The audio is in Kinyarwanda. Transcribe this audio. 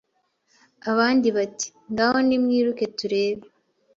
Abandi bati: ngaho Nimwiruke turebe»